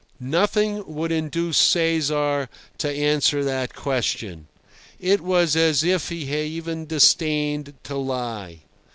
Nothing would induce Cesar to answer that question. It was as if he even disdained to lie.